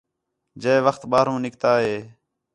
جئے وخت ٻاہروں نِکتا ہِے